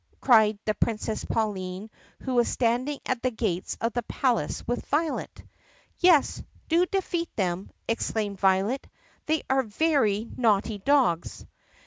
cried the Princess Pauline who was standing at the gates of the palace with Violet. "Yes, do defeat them!" exclaimed Violet. "They are very naughty dogs."